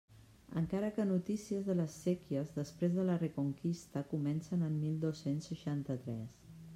Encara que notícies de les séquies després de la reconquista comencen en mil dos-cents seixanta-tres.